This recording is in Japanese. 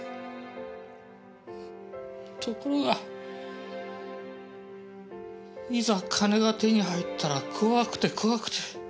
ところがいざ金が手に入ったら怖くて怖くて。